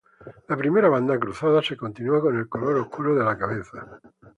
La primera banda cruzada se continúa con el color oscuro de la cabeza.